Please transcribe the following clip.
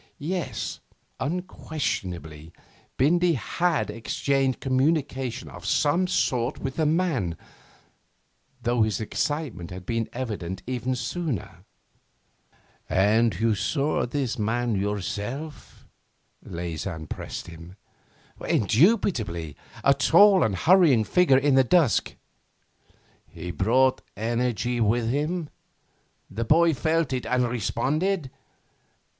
Yes, unquestionably, Bindy had exchanged communication of some sort with the man, though his excitement had been evident even sooner. 'And you saw this man yourself?' Leysin pressed him. 'Indubitably a tall and hurrying figure in the dusk.' 'He brought energy with him? The boy felt it and responded?